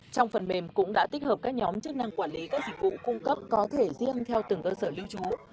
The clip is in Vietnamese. trong phần mềm cũng đã tích hợp các nhóm chức năng quản lý các dịch vụ cung cấp có thể riêng theo từng cơ sở lưu trú